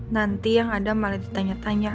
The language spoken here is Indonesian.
nanti yang ada malah ditanya tanya